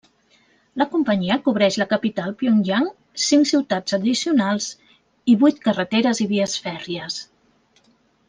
La companyia cobreix la capital Pyongyang, cinc ciutats addicionals i vuit carreteres i vies fèrries.